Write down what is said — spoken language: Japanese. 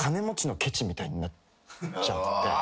みたいになっちゃって。